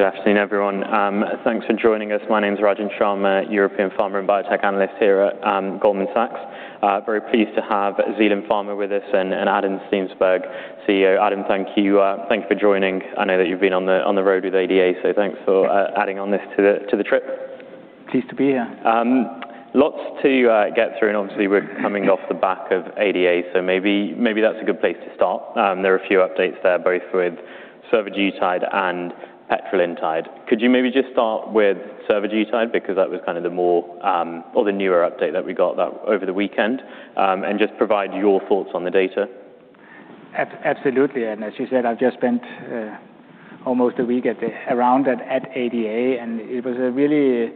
Good afternoon, everyone. Thanks for joining us. My name is Rajan Sharma, European Pharma and Biotech Analyst here at Goldman Sachs. Very pleased to have Zealand Pharma with us, and Adam Steensberg, CEO. Adam, thank you for joining. I know that you've been on the road with ADA, so thanks for adding on this to the trip. Pleased to be here. Lots to get through. Obviously we're coming off the back of ADA, maybe that's a good place to start. There are a few updates there, both with survodutide and petrelintide. Could you maybe just start with survodutide? That was the newer update that we got over the weekend. Just provide your thoughts on the data. Absolutely. As you said, I've just spent almost a week around at ADA, it was a really,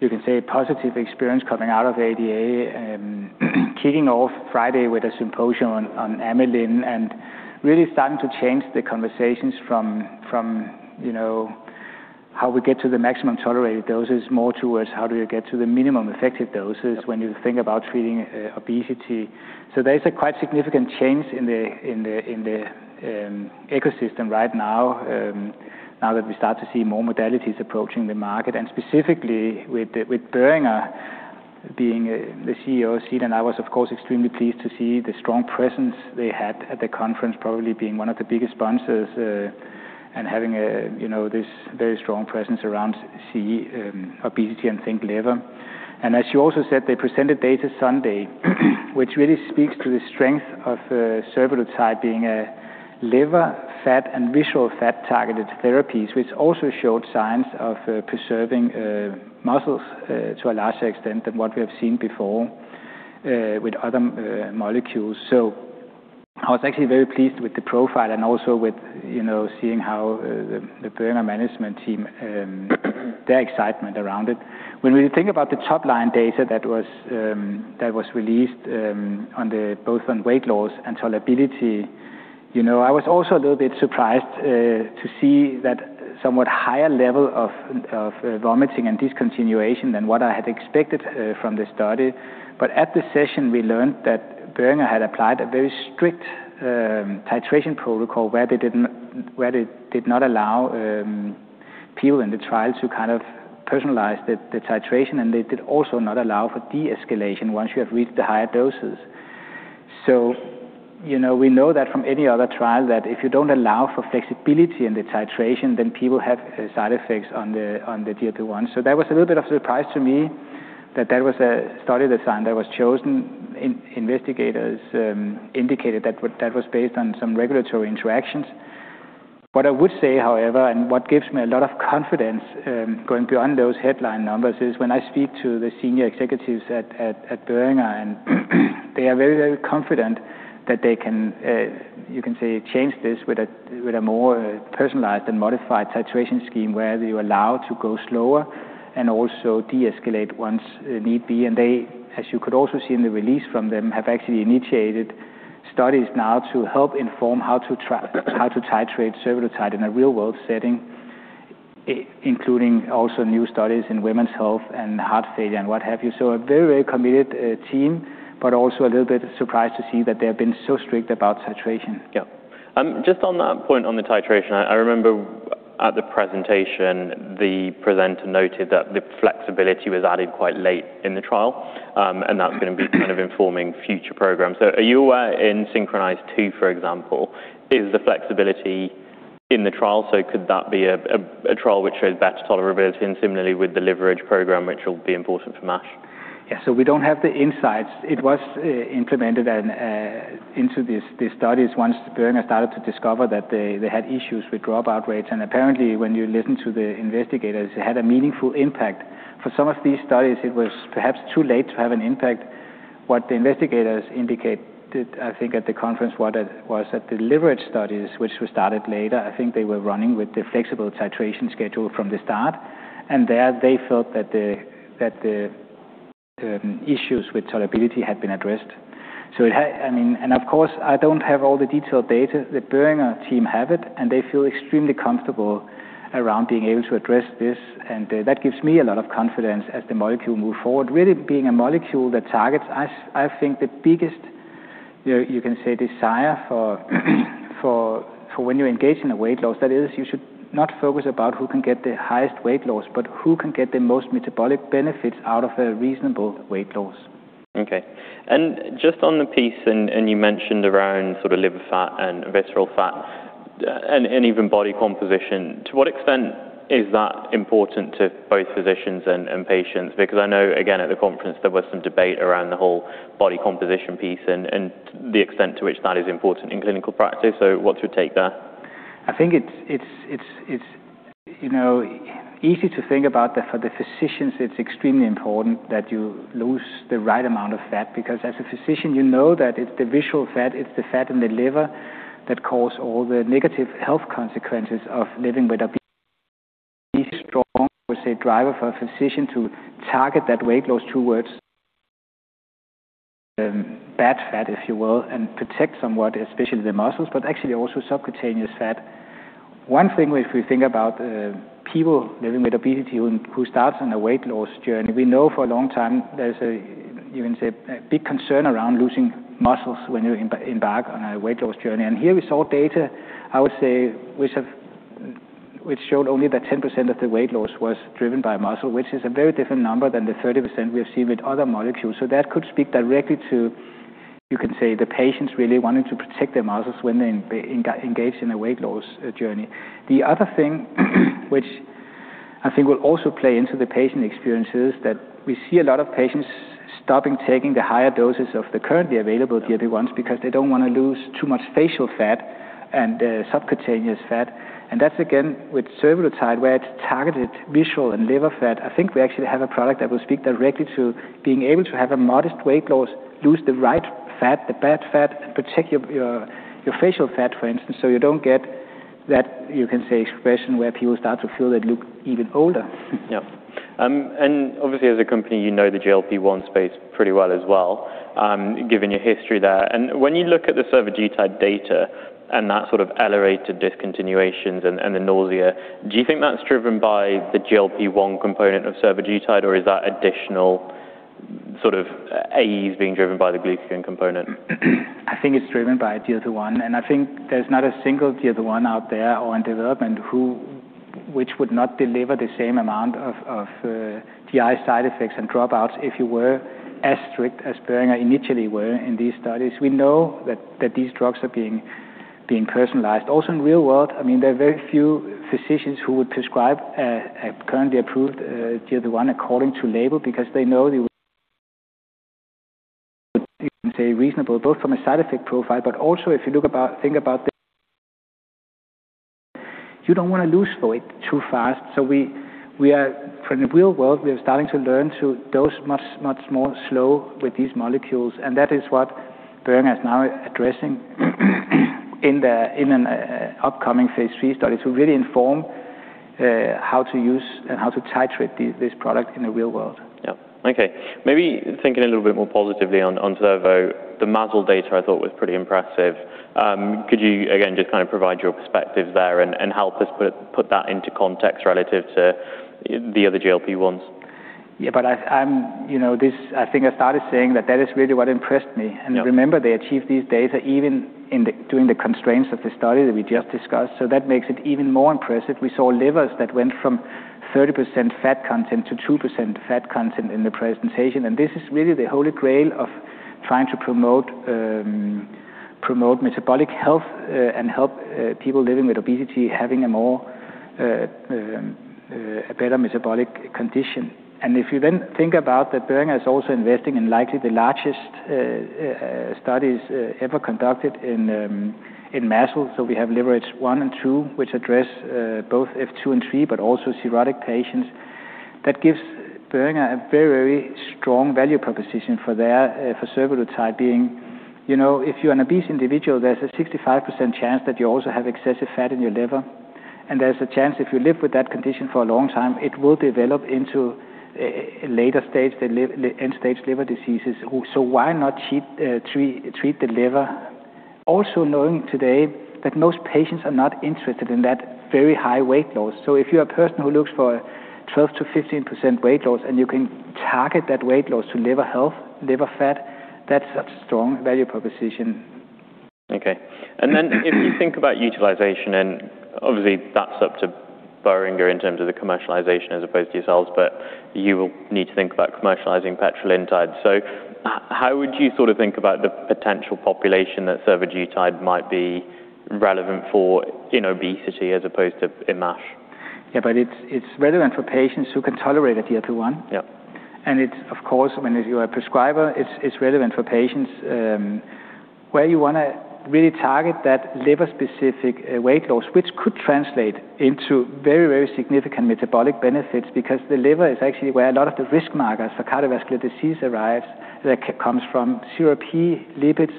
you can say, positive experience coming out of ADA, kicking off Friday with a symposium on amylin, really starting to change the conversations from how we get to the maximum tolerated doses more towards how do we get to the minimum effective doses when you think about treating obesity. There is a quite significant change in the ecosystem right now that we start to see more modalities approaching the market. Specifically with Boehringer being the CEO of Zealand, I was of course extremely pleased to see the strong presence they had at the conference, probably being one of the biggest sponsors, having this very strong presence around See Obesity and Think Liver. As you also said, they presented data Sunday which really speaks to the strength of survodutide being a liver fat and visceral fat-targeted therapies, which also showed signs of preserving muscles to a larger extent than what we have seen before with other molecules. I was actually very pleased with the profile and also with seeing how the Boehringer management team, their excitement around it. When we think about the top-line data that was released both on weight loss and tolerability, I was also a little bit surprised to see that somewhat higher level of vomiting and discontinuation than what I had expected from the study. At the session, we learned that Boehringer had applied a very strict titration protocol where they did not allow people in the trial to personalize the titration, and they did also not allow for de-escalation once you have reached the higher doses. We know that from any other trial that if you don't allow for flexibility in the titration, then people have side effects on the GLP-1. That was a little bit of a surprise to me that that was a study design that was chosen. Investigators indicated that was based on some regulatory interactions. What I would say, however, and what gives me a lot of confidence going beyond those headline numbers is when I speak to the senior executives at Boehringer, they are very confident that they can, you can say, change this with a more personalized and modified titration scheme where you allow to go slower and also deescalate once need be. They, as you could also see in the release from them, have actually initiated studies now to help inform how to titrate survodutide in a real-world setting, including also new studies in women's health and heart failure and what have you. A very committed team, but also a little bit surprised to see that they have been so strict about titration. Just on that point on the titration, I remember at the presentation, the presenter noted that the flexibility was added quite late in the trial, and that's going to be kind of informing future programs. Are you in SYNCHRONIZE-2, for example, is the flexibility in the trial, so could that be a trial which shows better tolerability? Similarly with the LIVERAGE program, which will be important for MASH. We don't have the insights. It was implemented into these studies once Boehringer started to discover that they had issues with dropout rates. Apparently, when you listen to the investigators, it had a meaningful impact. For some of these studies, it was perhaps too late to have an impact. What the investigators indicated, I think, at the conference was that the LIVERAGE studies, which were started later, I think they were running with the flexible titration schedule from the start. There they felt that the issues with tolerability had been addressed. Of course, I don't have all the detailed data. The Boehringer team have it, and they feel extremely comfortable around being able to address this, and that gives me a lot of confidence as the molecule move forward. Really being a molecule that targets, I think, the biggest, you can say, desire for when you engage in a weight loss, that is, you should not focus about who can get the highest weight loss, but who can get the most metabolic benefits out of a reasonable weight loss. Just on the piece, you mentioned around liver fat and visceral fat, and even body composition, to what extent is that important to both physicians and patients? I know, again, at the conference, there was some debate around the whole body composition piece and the extent to which that is important in clinical practice. What's your take there? I think it's easy to think about that for the physicians, it's extremely important that you lose the right amount of fat, as a physician, you know that it's the visceral fat, it's the fat in the liver that cause all the negative health consequences of living with obesity. Strong, per se, driver for a physician to target that weight loss towards bad fat, if you will, and protect somewhat, especially the muscles, but actually also subcutaneous fat. One thing, if we think about people living with obesity who starts on a weight loss journey, we know for a long time there's, you can say, a big concern around losing muscles when you embark on a weight loss journey. Here we saw data, I would say, which showed only that 10% of the weight loss was driven by muscle, which is a very different number than the 30% we have seen with other molecules. That could speak directly to, you can say, the patients really wanting to protect their muscles when they engage in a weight loss journey. The other thing, which I think will also play into the patient experience, is that we see a lot of patients stopping taking the higher doses of the currently available GLP-1s because they don't want to lose too much facial fat and subcutaneous fat. That's again, with survodutide, where it's targeted visceral and liver fat. I think we actually have a product that will speak directly to being able to have a modest weight loss, lose the right fat, the bad fat, and protect your facial fat, for instance, so you don't get that, you can say, expression where people start to feel they look even older. Yeah. Obviously, as a company, you know the GLP-1 space pretty well as well, given your history there. When you look at the survodutide data and that sort of elevated discontinuations and the nausea, do you think that's driven by the GLP-1 component of survodutide or is that additional sort of AEs being driven by the glucagon component? I think it's driven by GLP-1, I think there's not a single GLP-1 out there or in development which would not deliver the same amount of GI side effects and dropouts if you were as strict as Boehringer initially were in these studies. We know that these drugs are being personalized. Also in real world, there are very few physicians who would prescribe a currently approved GLP-1 according to label because they know they would. You don't want to lose weight too fast. In the real world, we are starting to learn to dose much more slow with these molecules, that is what Boehringer is now addressing in an upcoming phase III study to really inform how to use and how to titrate this product in the real world. Yeah. Okay. Maybe thinking a little bit more positively on survo, the MASLD data I thought was pretty impressive. Could you, again, just kind of provide your perspective there and help us put that into context relative to the other GLP-1s? Yeah. I think I started saying that that is really what impressed me. Remember, they achieved these data even during the constraints of the study that we just discussed, so that makes it even more impressive. We saw livers that went from 30% fat content to 2% fat content in the presentation, and this is really the Holy Grail of trying to promote metabolic health and help people living with obesity having a better metabolic condition. If you then think about that Boehringer is also investing in likely the largest studies ever conducted in MASLD. We have LIVERAGE 1 and 2, which address both F2 and F3, but also cirrhotic patients. That gives Boehringer a very strong value proposition for survodutide being, if you're an obese individual, there's a 65% chance that you also have excessive fat in your liver, and there's a chance if you live with that condition for a long time, it will develop into later-stage, end-stage liver diseases. Why not treat the liver? Also knowing today that most patients are not interested in that very high weight loss. If you're a person who looks for 12%-15% weight loss and you can target that weight loss to liver health, liver fat, that's a strong value proposition. If you think about utilization, obviously that's up to Boehringer in terms of the commercialization as opposed to yourselves, you will need to think about commercializing petrelintide. How would you sort of think about the potential population that survodutide might be relevant for in obesity as opposed to in MASH? Yeah, it's relevant for patients who can tolerate a GLP-1. Yeah. It's, of course, when you're a prescriber, it's relevant for patients, where you want to really target that liver-specific weight loss, which could translate into very, very significant metabolic benefits because the liver is actually where a lot of the risk markers for cardiovascular disease arise, that comes from CRP, lipids,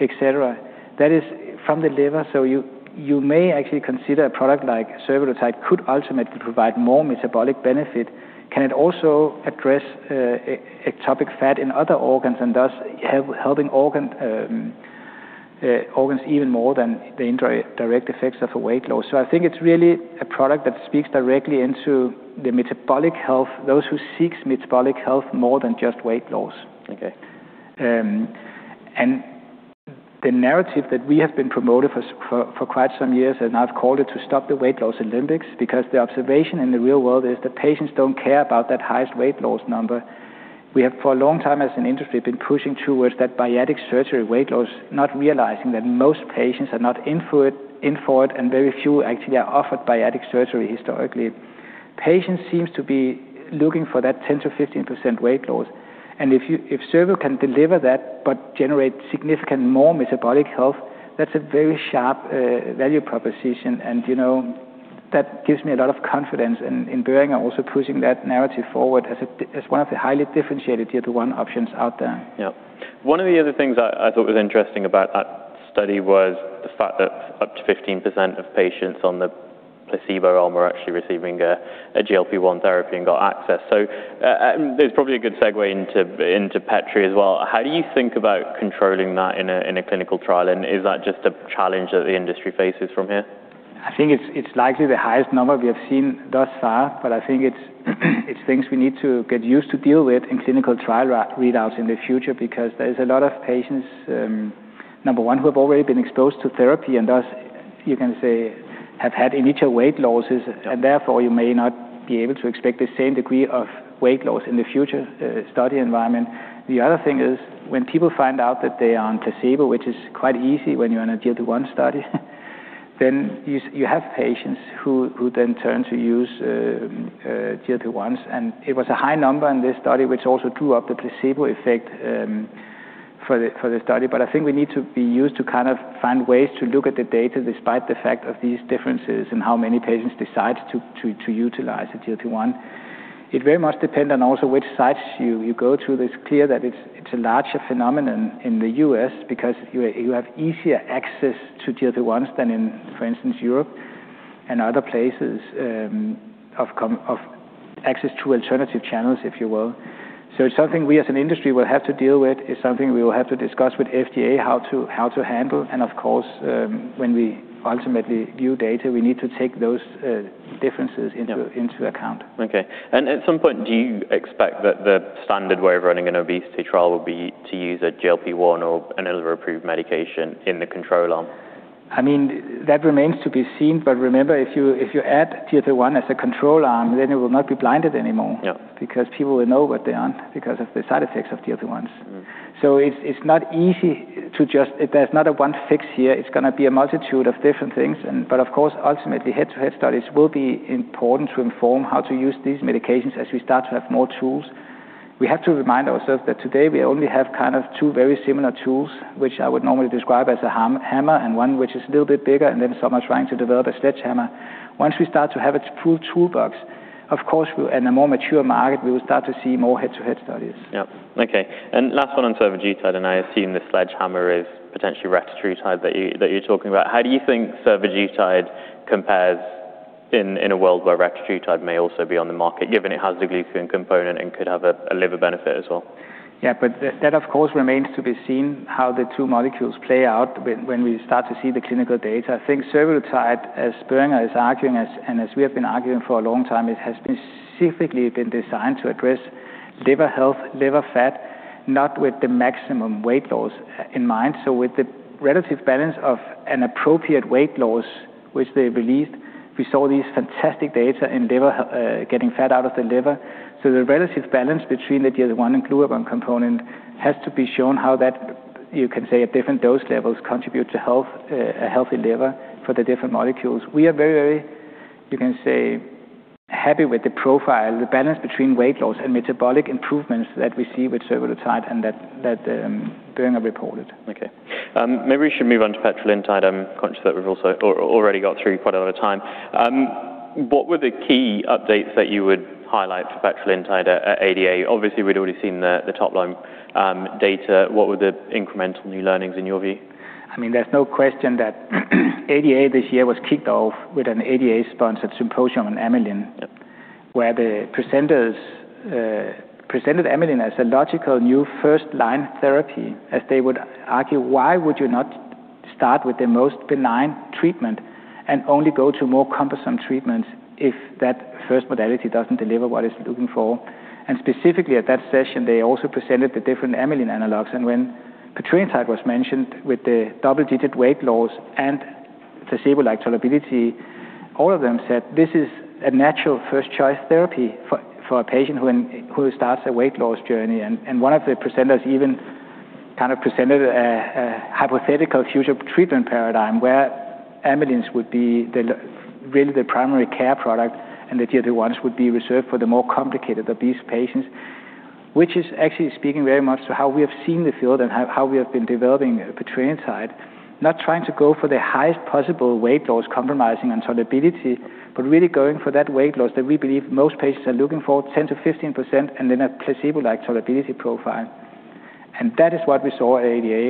et cetera. That is from the liver, you may actually consider a product like survodutide could ultimately provide more metabolic benefit. Can it also address ectopic fat in other organs and thus helping organs even more than the indirect effects of a weight loss? I think it's really a product that speaks directly into the metabolic health, those who seek metabolic health more than just weight loss. Okay. The narrative that we have been promoting for quite some years, I've called it to stop the weight loss Olympics, because the observation in the real world is that patients don't care about that highest weight loss number. We have, for a long time as an industry, been pushing towards that bariatric surgery weight loss, not realizing that most patients are not in for it, very few actually are offered bariatric surgery historically. Patients seems to be looking for that 10%-15% weight loss, if servo can deliver that but generate significant more metabolic health, that's a very sharp value proposition. That gives me a lot of confidence in Boehringer also pushing that narrative forward as one of the highly differentiated GLP-1 options out there. Yeah. One of the other things I thought was interesting about that study was the fact that up to 15% of patients on the placebo arm were actually receiving a GLP-1 therapy and got access. That's probably a good segue into petre as well. How do you think about controlling that in a clinical trial, and is that just a challenge that the industry faces from here? I think it's likely the highest number we have seen thus far. I think it's things we need to get used to deal with in clinical trial readouts in the future, because there's a lot of patients, number one, who have already been exposed to therapy, and thus you can say have had initial weight losses, and therefore you may not be able to expect the same degree of weight loss in the future study environment. The other thing is when people find out that they are on placebo, which is quite easy when you're on a GLP-1 study, then you have patients who then turn to use GLP-1s. It was a high number in this study, which also drew up the placebo effect for the study. I think we need to be used to find ways to look at the data despite the fact of these differences in how many patients decide to utilize a GLP-1. It very much depends on also which sites you go to. It's clear that it's a larger phenomenon in the U.S. because you have easier access to GLP-1s than in, for instance, Europe and other places, of access to alternative channels, if you will. It's something we as an industry will have to deal with, it's something we will have to discuss with FDA how to handle, and of course, when we ultimately view data, we need to take those differences into- Yeah into account. Okay. At some point, do you expect that the standard way of running an obesity trial will be to use a GLP-1 or an other approved medication in the control arm? That remains to be seen, but remember, if you add GLP-1 as a control arm, then it will not be blinded anymore. Yeah. People will know what they're on because of the side effects of GLP-1s. It's not easy. There's not a one fix here. It's going to be a multitude of different things. Of course, ultimately head-to-head studies will be important to inform how to use these medications as we start to have more tools. We have to remind ourselves that today we only have two very similar tools, which I would normally describe as a hammer, and one which is a little bit bigger, and then some are trying to develop a sledgehammer. Once we start to have an approved toolbox, of course, in a more mature market, we will start to see more head-to-head studies. Yep. Okay. Last one on survodutide, and I assume the sledgehammer is potentially retatrutide that you're talking about. How do you think survodutide compares in a world where retatrutide may also be on the market, given it has a glucagon component and could have a liver benefit as well? Yeah, that of course remains to be seen how the two molecules play out when we start to see the clinical data. I think survodutide, as Boehringer is arguing, and as we have been arguing for a long time, it has specifically been designed to address liver health, liver fat, not with the maximum weight loss in mind. With the relative balance of an appropriate weight loss which they released, we saw these fantastic data in getting fat out of the liver. The relative balance between the GLP-1 and glucagon component has to be shown how that, you can say, at different dose levels contribute to a healthy liver for the different molecules. We are very, very, you can say, happy with the profile, the balance between weight loss and metabolic improvements that we see with survodutide, and that Boehringer reported. Okay. Maybe we should move on to petrelintide. I'm conscious that we've also already got through quite a lot of time. What were the key updates that you would highlight for petrelintide at ADA? Obviously, we'd already seen the top-line data. What were the incremental new learnings in your view? There's no question that ADA this year was kicked off with an ADA-sponsored symposium on amylin Yep where the presenters presented amylin as a logical new first-line therapy, as they would argue, why would you not start with the most benign treatment and only go to more cumbersome treatments if that first modality doesn't deliver what it's looking for? Specifically at that session, they also presented the different amylin analogs. When petrelintide was mentioned with the double-digit weight loss and placebo-like tolerability, all of them said this is a natural first-choice therapy for a patient who starts a weight loss journey. One of the presenters even presented a hypothetical future treatment paradigm where amylins would be really the primary care product, and the GLP-1s would be reserved for the more complicated obese patients, which is actually speaking very much to how we have seen the field and how we have been developing petrelintide. Not trying to go for the highest possible weight loss compromising on tolerability, but really going for that weight loss that we believe most patients are looking for, 10%-15%, and in a placebo-like tolerability profile. That is what we saw at ADA.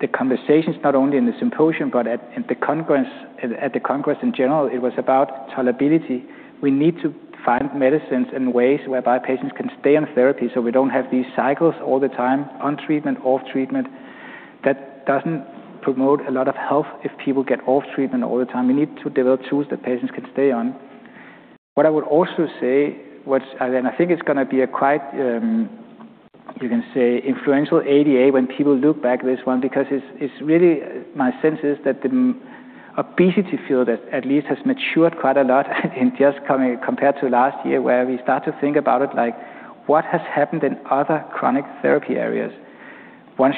The conversations, not only in the symposium, but at the congress in general, it was about tolerability. We need to find medicines and ways whereby patients can stay on therapy, so we don't have these cycles all the time, on treatment, off treatment. That doesn't promote a lot of health if people get off treatment all the time. We need to develop tools that patients can stay on. What I would also say, and I think it's going to be a quite, you can say, influential ADA when people look back at this one, because it's really my sense is that the obesity field at least has matured quite a lot in just compared to last year, where we start to think about it like what has happened in other chronic therapy areas.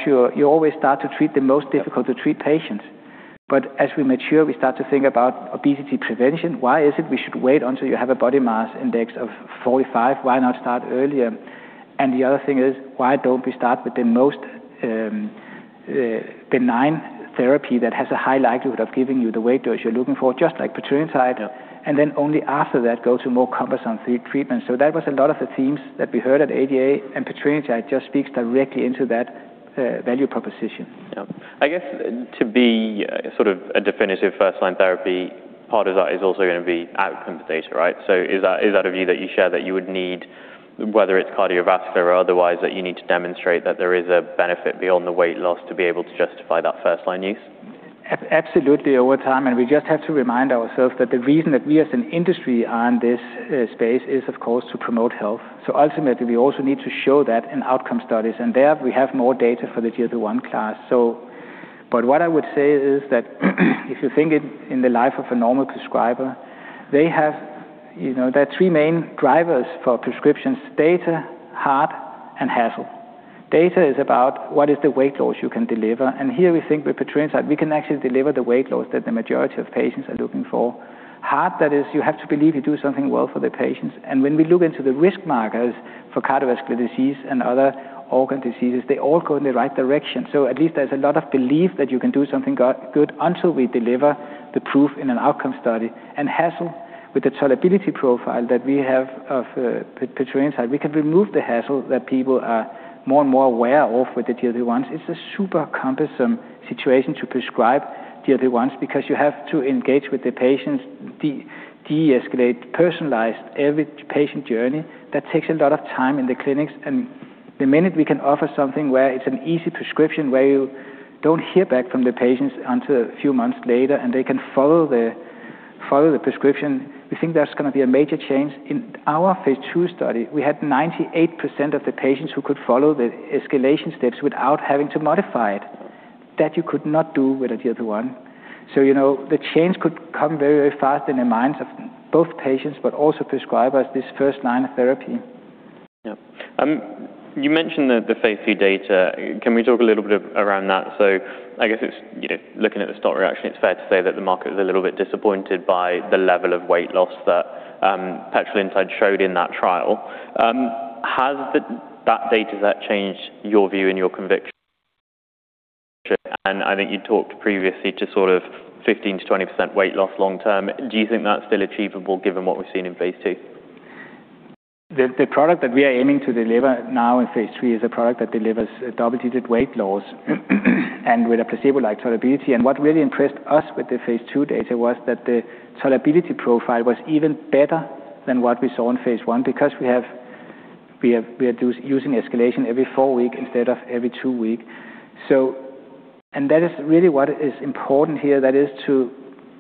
You always start to treat the most difficult to treat patients. As we mature, we start to think about obesity prevention. Why is it we should wait until you have a body mass index of 45? Why not start earlier? The other thing is why don't we start with the most benign therapy that has a high likelihood of giving you the weight loss you're looking for, just like petrelintide, and then only after that go to more cumbersome treatments. That was a lot of the themes that we heard at ADA, and petrelintide just speaks directly into that value proposition. Yep. I guess to be a definitive first-line therapy, part of that is also going to be outcome data. Is that a view that you share that you would need, whether it's cardiovascular or otherwise, that you need to demonstrate that there is a benefit beyond the weight loss to be able to justify that first-line use? Absolutely, over time. We just have to remind ourselves that the reason that we as an industry are in this space is, of course, to promote health. Ultimately, we also need to show that in outcome studies, and there we have more data for the GLP-1 class. What I would say is that if you think in the life of a normal prescriber, there are three main drivers for prescriptions: data, heart, and hassle. Data is about what is the weight loss you can deliver, and here we think with petrelintide we can actually deliver the weight loss that the majority of patients are looking for. Heart, that is, you have to believe you do something well for the patients. When we look into the risk markers for cardiovascular disease and other organ diseases, they all go in the right direction. At least there's a lot of belief that you can do something good until we deliver the proof in an outcome study. Hassle, with the tolerability profile that we have of petrelintide, we can remove the hassle that people are more and more aware of with the GLP-1s. It's a super cumbersome situation to prescribe GLP-1s because you have to engage with the patients, de-escalate, personalize every patient journey. That takes a lot of time in the clinics, and the minute we can offer something where it's an easy prescription, where you don't hear back from the patients until a few months later, and they can follow the prescription, we think that's going to be a major change. In our phase II study, we had 98% of the patients who could follow the escalation steps without having to modify it. That you could not do with a GLP-1. The change could come very fast in the minds of both patients, but also prescribers, this first line of therapy. Yeah. You mentioned the phase II data. Can we talk a little bit around that? I guess looking at the stock reaction, it's fair to say that the market was a little bit disappointed by the level of weight loss that petrelintide showed in that trial. Has that data set changed your view and your conviction? I think you talked previously to sort of 15%-20% weight loss long term. Do you think that's still achievable given what we've seen in phase II? The product that we are aiming to deliver now in phase III is a product that delivers double-digit weight loss, with a placebo-like tolerability. What really impressed us with the phase II data was that the tolerability profile was even better than what we saw in phase I, because we are using escalation every four weeks instead of every two weeks. That is really what is important here, that is to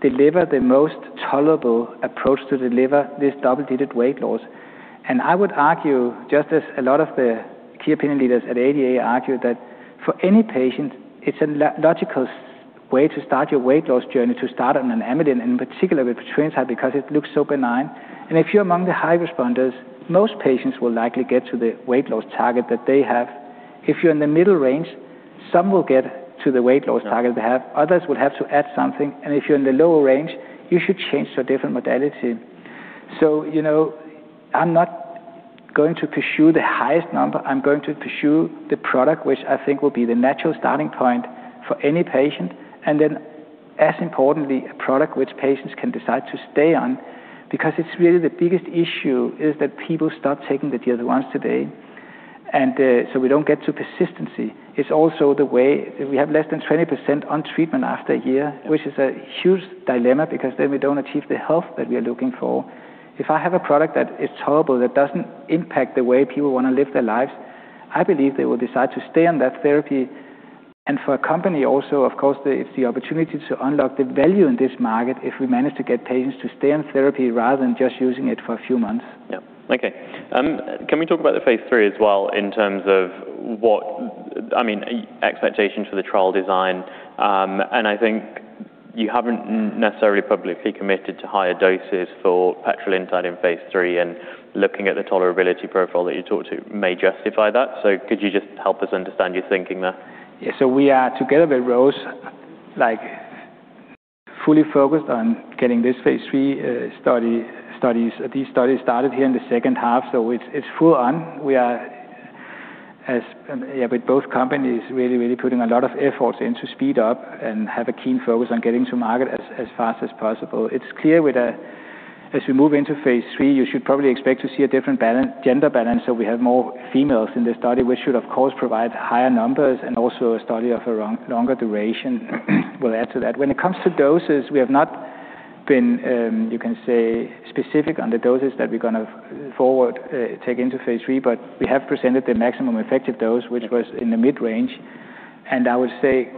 deliver the most tolerable approach to deliver this double-digit weight loss. I would argue, just as a lot of the key opinion leaders at ADA argue, that for any patient, it's a logical way to start your weight loss journey, to start on an amylin, and in particular with petrelintide, because it looks so benign. If you're among the high responders, most patients will likely get to the weight loss target that they have. If you're in the middle range, some will get to the weight loss target they have. Others will have to add something. If you're in the lower range, you should change to a different modality. I'm not going to pursue the highest number. I'm going to pursue the product which I think will be the natural starting point for any patient, and then as importantly, a product which patients can decide to stay on. Because it's really the biggest issue is that people stop taking the GLP-1s today, we don't get to persistency. It's also the way we have less than 20% on treatment after a year, which is a huge dilemma because then we don't achieve the health that we are looking for. If I have a product that is tolerable, that doesn't impact the way people want to live their lives, I believe they will decide to stay on that therapy. For a company also, of course, it's the opportunity to unlock the value in this market if we manage to get patients to stay on therapy rather than just using it for a few months. Yeah. Okay. Can we talk about the phase III as well in terms of expectations for the trial design? I think you haven't necessarily publicly committed to higher doses for petrelintide in phase III, and looking at the tolerability profile that you talked to may justify that. Could you just help us understand your thinking there? Yeah. We are, together with Roche, fully focused on getting these studies started here in the second half, so it's full on. We are, with both companies, really putting a lot of efforts in to speed up and have a keen focus on getting to market as fast as possible. It's clear as we move into phase III, you should probably expect to see a different gender balance, so we have more females in the study, which should, of course, provide higher numbers and also a study of a longer duration will add to that. When it comes to doses, we have not been, you can say, specific on the doses that we're going to forward take into phase III, but we have presented the maximum effective dose, which was in the mid-range. I would say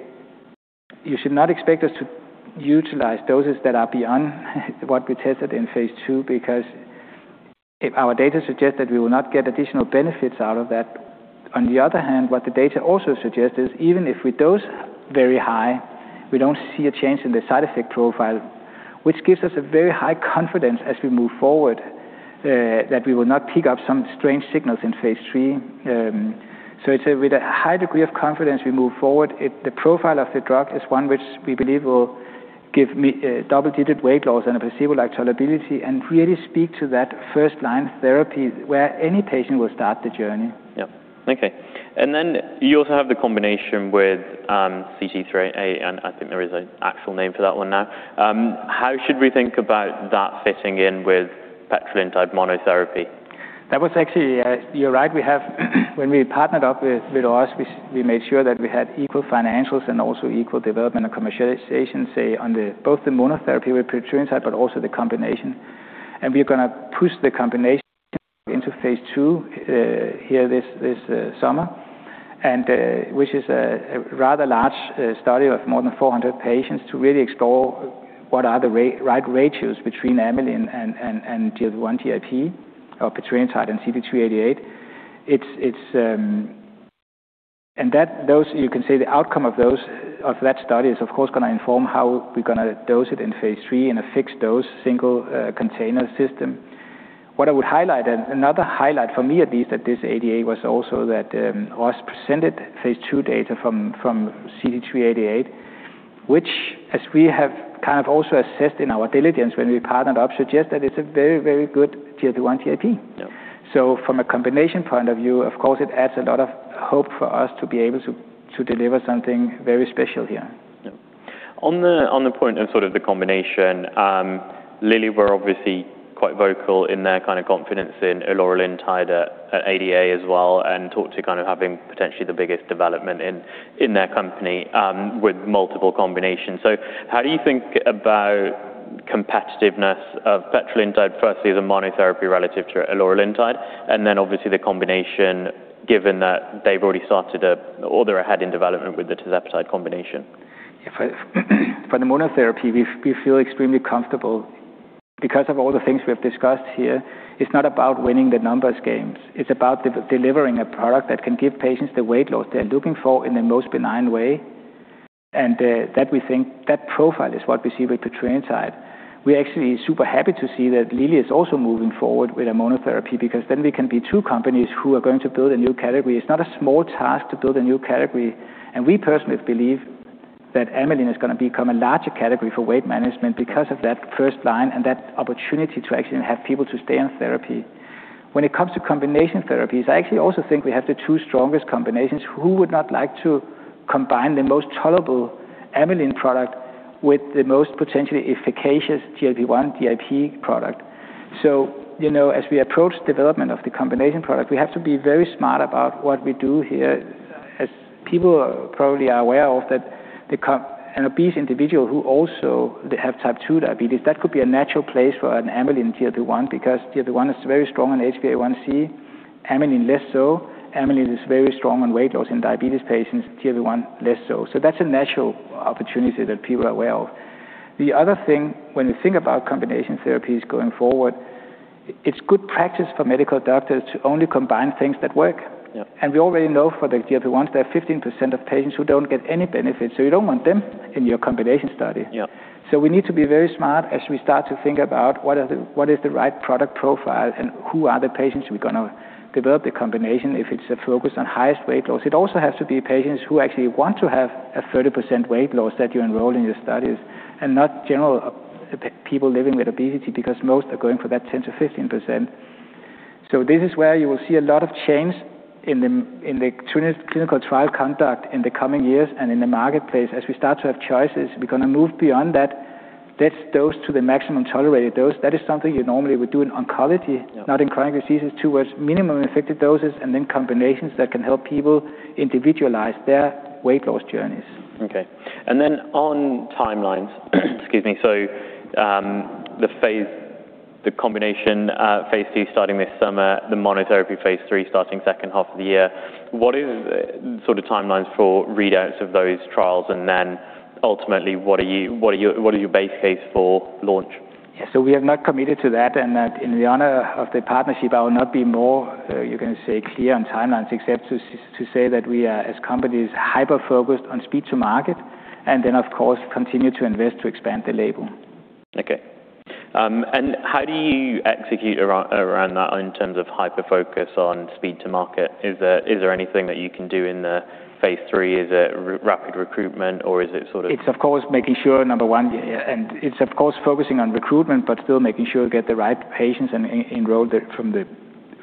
you should not expect us to utilize doses that are beyond what we tested in phase II, because our data suggest that we will not get additional benefits out of that. On the other hand, what the data also suggests is even if we dose very high, we don't see a change in the side effect profile, which gives us a very high confidence as we move forward that we will not pick up some strange signals in phase III. It's with a high degree of confidence we move forward. The profile of the drug is one which we believe will give double-digit weight loss and a placebo-like tolerability and really speak to that first-line therapy where any patient will start the journey. Yeah. Okay. Then you also have the combination with CT-388, and I think there is an actual name for that one now. How should we think about that fitting in with petrelintide monotherapy? You're right. When we partnered up with Roche, we made sure that we had equal financials and also equal development and commercialization, say, on both the monotherapy with petrelintide but also the combination. We are going to push the combination into phase II here this summer, which is a rather large study of more than 400 patients to really explore what are the right ratios between amylin and GLP-1/GIP, or petrelintide and CT-388. The outcome of that study is, of course, going to inform how we're going to dose it in phase III in a fixed dose, single container system. What I would highlight, another highlight for me at least at this ADA, was also that Roche presented phase II data from CT-388, which, as we have kind of also assessed in our diligence when we partnered up, suggest that it's a very good GLP-1/GIP. Yeah. From a combination point of view, of course, it adds a lot of hope for us to be able to deliver something very special here. Yeah. On the point of sort of the combination, Lilly were obviously quite vocal in their kind of confidence in laurylintide at ADA as well, and talked to kind of having potentially the biggest development in their company with multiple combinations. How do you think about competitiveness of petrelintide, firstly as a monotherapy relative to laurylintide, and then obviously the combination, given that they've already started, or they're ahead in development with the tirzepatide combination? For the monotherapy, we feel extremely comfortable because of all the things we have discussed here. It's not about winning the numbers games. It's about delivering a product that can give patients the weight loss they're looking for in the most benign way, and that we think that profile is what we see with petrelintide. We're actually super happy to see that Lilly is also moving forward with a monotherapy, because then we can be two companies who are going to build a new category. It's not a small task to build a new category, and we personally believe that amylin is going to become a larger category for weight management because of that first line and that opportunity to actually have people to stay on therapy. When it comes to combination therapies, I actually also think we have the two strongest combinations. Who would not like to combine the most tolerable amylin product with the most potentially efficacious GLP-1/GIP product? As we approach development of the combination product, we have to be very smart about what we do here. As people probably are aware of that an obese individual who also have type 2 diabetes, that could be a natural place for an amylin GLP-1, because GLP-1 is very strong on HbA1c, amylin less so. Amylin is very strong on weight loss in diabetes patients, GLP-1 less so. That's a natural opportunity that people are aware of. The other thing, when you think about combination therapies going forward, it's good practice for medical doctors to only combine things that work. Yeah. We already know for the GLP-1s, there are 15% of patients who don't get any benefit, you don't want them in your combination study. Yeah. We need to be very smart as we start to think about what is the right product profile and who are the patients we're going to develop the combination, if it's focused on highest weight loss. It also has to be patients who actually want to have a 30% weight loss that you enroll in your studies, and not general people living with obesity, because most are going for that 10%-15%. This is where you will see a lot of change in the clinical trial conduct in the coming years, and in the marketplace. As we start to have choices, we're going to move beyond that dose to the maximum tolerated dose. That is something you normally would do in oncology- Yeah not in chronic diseases, towards minimum effective doses and then combinations that can help people individualize their weight loss journeys. On timelines. Excuse me. The combination phase II starting this summer, the monotherapy phase III starting second half of the year. What is sort of timelines for readouts of those trials? Ultimately, what is your base case for launch? Yeah. We have not committed to that, and in the honor of the partnership, I will not be more, you can say, clear on timelines except to say that we are, as companies, hyper-focused on speed to market, and then of course, continue to invest to expand the label. Okay. How do you execute around that in terms of hyper-focus on speed to market? Is there anything that you can do in the phase III? Is it rapid recruitment or is it sort of- It's of course making sure, number one, and it's of course focusing on recruitment, but still making sure you get the right patients and enroll from the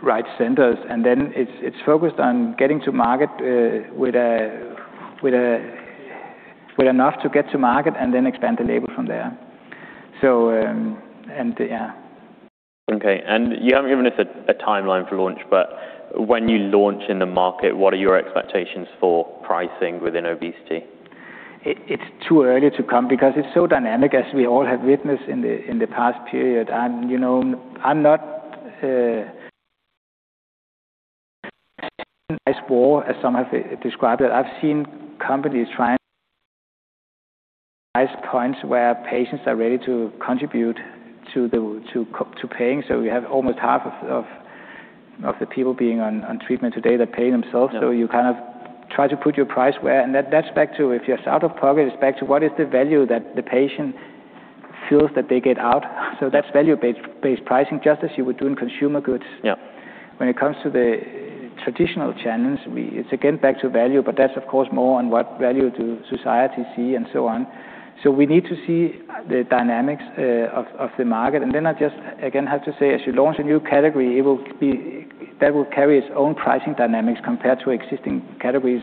right centers. It's focused on getting to market with enough to get to market and then expand the label from there. Yeah. Okay. You haven't given us a timeline for launch, but when you launch in the market, what are your expectations for pricing within obesity? It's too early to come because it's so dynamic as we all have witnessed in the past period. I'm not, as some have described it, I've seen companies trying price points where patients are ready to contribute to paying. We have almost half of the people being on treatment today, they're paying themselves. Yeah. You kind of try to put your price where, and that's back to if you're out of pocket, it's back to what is the value that the patient feels that they get out? That's value-based pricing, just as you would do in consumer goods. Yeah. When it comes to the traditional channels, it's again back to value, but that's of course more on what value do society see and so on. We need to see the dynamics of the market. Then I just, again, have to say, as you launch a new category, that will carry its own pricing dynamics compared to existing categories.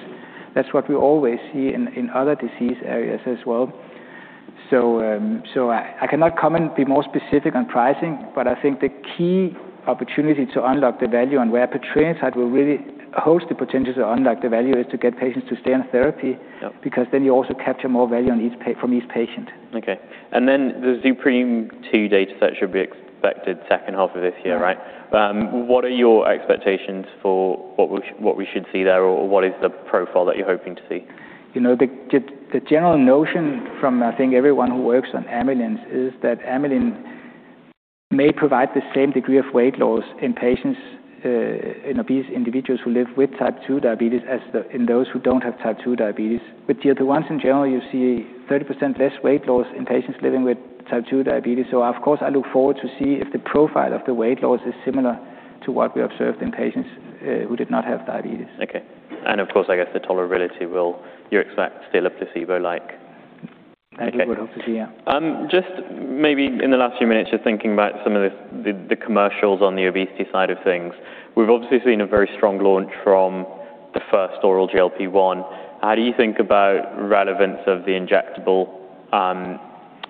That's what we always see in other disease areas as well. I cannot come and be more specific on pricing, but I think the key opportunity to unlock the value and where petrelintide will really host the potential to unlock the value is to get patients to stay on therapy. Yeah. Then you also capture more value from each patient. Okay. Then the ZUPREME-2 data set should be expected second half of this year, right? Yeah. What are your expectations for what we should see there, or what is the profile that you're hoping to see? The general notion from, I think everyone who works on amylin is that amylin may provide the same degree of weight loss in patients, in obese individuals who live with type 2 diabetes as in those who don't have type 2 diabetes. With GLP-1s in general, you see 30% less weight loss in patients living with type 2 diabetes. Of course, I look forward to see if the profile of the weight loss is similar to what we observed in patients who did not have diabetes. Okay. Of course, I guess the tolerability, you expect still a placebo-like- That we would hope to see, yeah. Just maybe in the last few minutes, just thinking about some of the commercials on the obesity side of things. We've obviously seen a very strong launch from the first oral GLP-1. How do you think about relevance of the injectable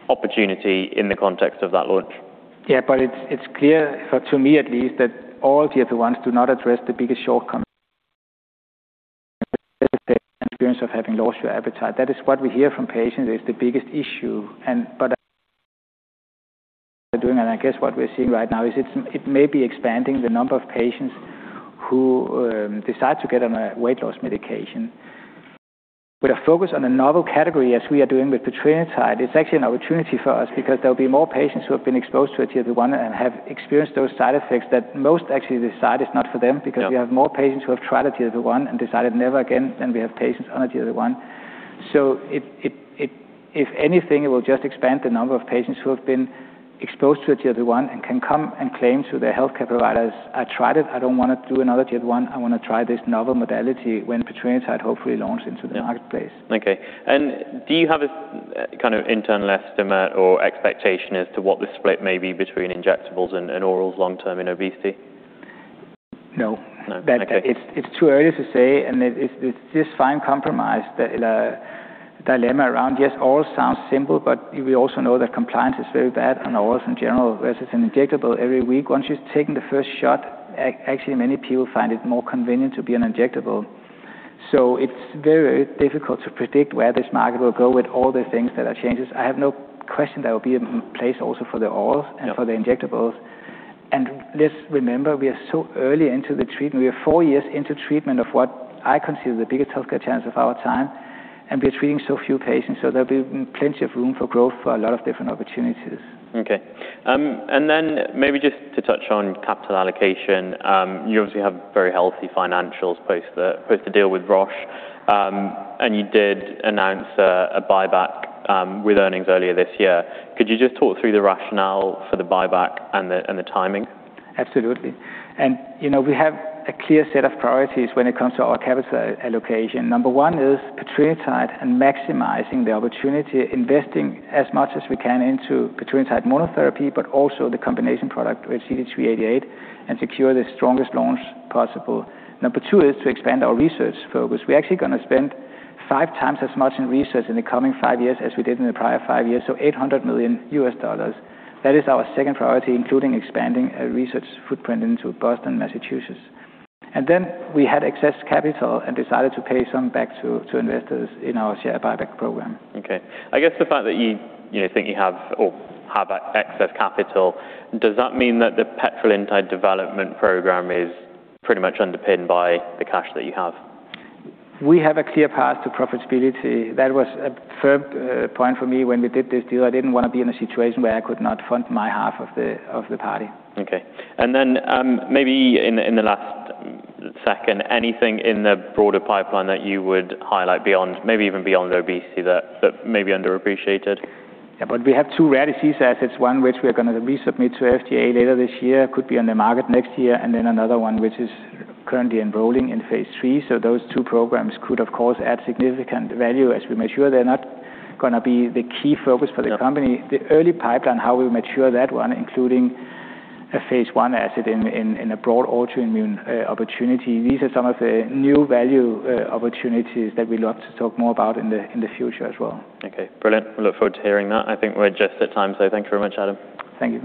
opportunity in the context of that launch? It's clear, to me at least, that all GLP-1s do not address the biggest shortcoming, which is the experience of having lost your appetite. That is what we hear from patients is the biggest issue. Doing, I guess what we're seeing right now is it may be expanding the number of patients who decide to get on a weight loss medication. With a focus on a novel category as we are doing with petrelintide, it's actually an opportunity for us because there will be more patients who have been exposed to a GLP-1 and have experienced those side effects that most actually decide it's not for them. Yep. We have more patients who have tried a GLP-1 and decided never again, than we have patients on a GLP-1. If anything, it will just expand the number of patients who have been exposed to a GLP-1 and can come and claim to their healthcare providers, "I tried it. I don't want to do another GLP-1. I want to try this novel modality," when petrelintide hopefully launches into the marketplace. Yeah. Okay. Do you have a kind of internal estimate or expectation as to what the split may be between injectables and orals long term in obesity? No. No. Okay. It's too early to say, and it's this fine compromise, the dilemma around, yes, oral sounds simple, but we also know that compliance is very bad on orals in general, versus an injectable every week. Once you've taken the first shot, actually many people find it more convenient to be on injectable. It's very difficult to predict where this market will go with all the things that are changes. I have no question there will be a place also for the orals. For the injectables. Let's remember, we are so early into the treatment. We are four years into treatment of what I consider the biggest healthcare challenge of our time, we are treating so few patients, there'll be plenty of room for growth for a lot of different opportunities. Okay. Maybe just to touch on capital allocation. You obviously have very healthy financials post the deal with Roche, you did announce a buyback with earnings earlier this year. Could you just talk through the rationale for the buyback and the timing? Absolutely. We have a clear set of priorities when it comes to our capital allocation. Number one is petrelintide maximizing the opportunity, investing as much as we can into petrelintide monotherapy, also the combination product with CT-388, secure the strongest launch possible. Number two is to expand our research focus. We're actually going to spend five times as much in research in the coming five years as we did in the prior five years, $800 million. That is our second priority, including expanding a research footprint into Boston, Massachusetts. We had excess capital decided to pay some back to investors in our share buyback program. Okay. I guess the fact that you think you have or have excess capital, does that mean that the petrelintide development program is pretty much underpinned by the cash that you have? We have a clear path to profitability. That was a firm point for me when we did this deal. I didn't want to be in a situation where I could not fund my half of the party. Okay. Maybe in the last second, anything in the broader pipeline that you would highlight beyond, maybe even beyond obesity that may be underappreciated? Yeah. We have two rare disease assets, one which we are going to resubmit to FDA later this year, could be on the market next year, another one which is currently enrolling in phase III. Those two programs could, of course, add significant value as we mature. They're not going to be the key focus for the company. Yeah. The early pipeline, how we mature that one, including a phase I asset in a broad autoimmune opportunity. These are some of the new value opportunities that we love to talk more about in the future as well. Okay. Brilliant. I look forward to hearing that. I think we're just at time. Thank you very much, Adam. Thank you.